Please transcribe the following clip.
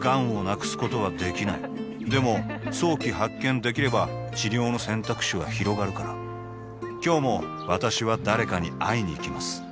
がんを無くすことはできないでも早期発見できれば治療の選択肢はひろがるから今日も私は誰かに会いにいきます